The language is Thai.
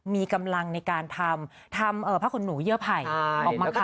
มีกำลังในการทำทำผ้าขนหนูเยื่อไผ่ออกมาค่ะ